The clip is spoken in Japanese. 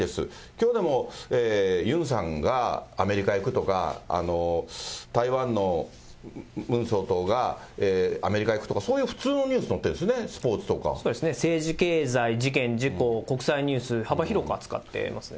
きょうでも、ユンさんがアメリカへ行くとか、台湾の総統がアメリカ行くとか、そういう普通のニュースが載って政治、経済、事件、事故、国際ニュース、幅広く扱ってますね。